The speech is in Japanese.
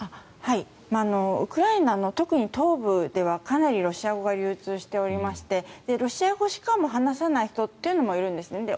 ウクライナの特に東部ではかなりロシア語が流通しておりましてロシア語しか話さない人というのもいるんですね。